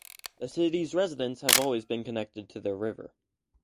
The city's residents have always been connected to their river.